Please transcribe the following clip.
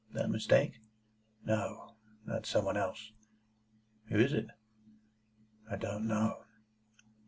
"That mistake?" "No. That some one else." "Who is it?" "I don't know."